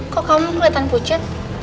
kok kamu kelihatan pucat